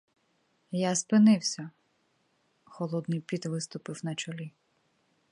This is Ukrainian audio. Я спинився, холодний піт виступив на чолі.